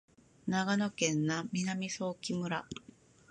長野県南相木村